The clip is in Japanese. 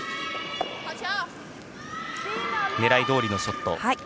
狙いどおりのショット。